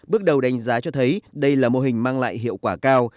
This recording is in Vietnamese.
bước đầu đánh giá cho thấy đây là mô hình mang lại hiệu quả cao